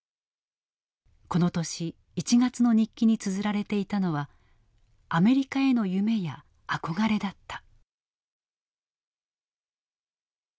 この年１月の日記につづられていたのはアメリカへの夢や憧れだった。